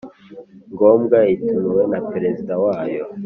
ngombwa itumiwe na Perezida wayo